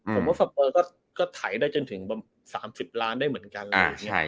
ผมว่าซัปเปอร์ก็ถ่ายได้จนถึง๓๐ล้านได้เหมือนกันเลย